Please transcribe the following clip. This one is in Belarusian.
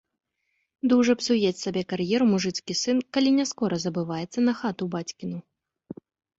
Дужа псуець сабе кар'еру мужыцкі сын, калі не скора забываецца на хату бацькіну.